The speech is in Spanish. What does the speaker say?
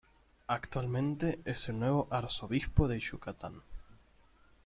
Actualmente es el nuevo Arzobispo de Yucatán.